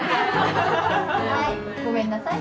はいごめんなさい。